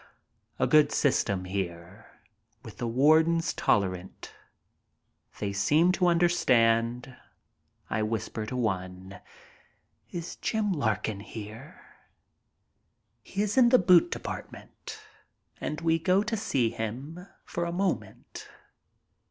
A good system here, with the wardens tolerant. They seem to understand. I whisper to one. "Is Jim Larkin here?" He is in the boot department, and we go to see him for a moment.